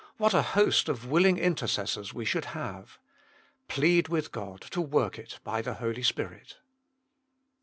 What a host of willing intercessors we should have. Plead with God to work it by the Holy Spirit.